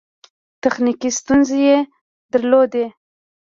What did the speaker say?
تخنیکي ستونزې یې درلودې.